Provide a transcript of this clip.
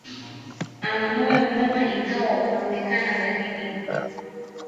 Ana moyo mwema, ingawa unaonekana baridi.